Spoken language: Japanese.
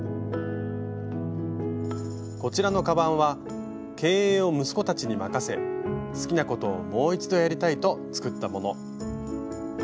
こちらのカバンは経営を息子たちに任せ好きなことをもう一度やりたいと作ったもの。